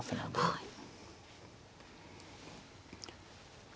はい。